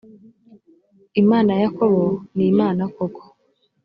imana ya yakobo nimana koko